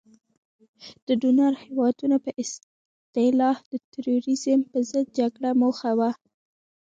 د ډونر هیوادونو په اصطلاح د تروریزم په ضد جګړه موخه وه.